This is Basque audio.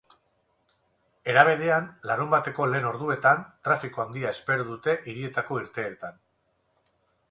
Era berean, larunbateko lehen orduetan trafiko handia espero dute hirietako irteeretan.